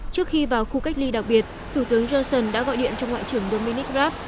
trước khi vào khu cách ly đặc biệt thủ tướng johnson đã gọi điện cho ngoại trưởng dominic raab